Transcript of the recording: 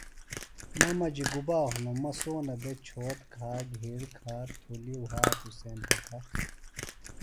مہ مجیۡ گُبا ہنوۡ مہ سونہ بےۡ چھوت کھا گِھیڑ کھا تُھلیۡ وھاتوۡ سینتہ کھہ